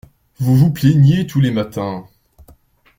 Vous vous plaigniez tous les matins.